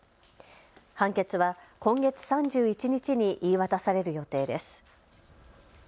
判決は今月３１日に言い渡される予定です。